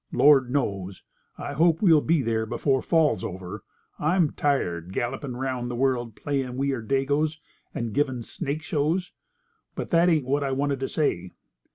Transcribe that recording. Lord knows, I hope we'll be there before fall's over. I'm tired gallopin' round the world playin' we are dagoes, and givin' snake shows. But that ain't what I wanted to say.